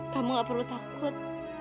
kamu gak perlu takut